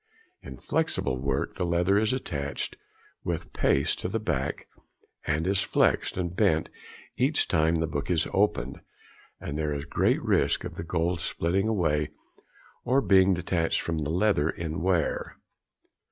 In flexible work, the leather is attached with paste to the back, and is flexed, and bent, each time the book is opened, and there is great risk of the gold splitting away or being detached from the leather in wear.